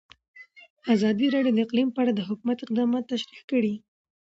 ازادي راډیو د اقلیم په اړه د حکومت اقدامات تشریح کړي.